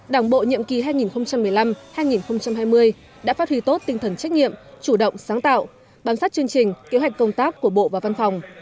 đảng bộ nhiệm kỳ hai nghìn một mươi năm hai nghìn hai mươi đã phát huy tốt tinh thần trách nhiệm chủ động sáng tạo bám sát chương trình kế hoạch công tác của bộ và văn phòng